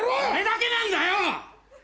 俺だけなんだよ！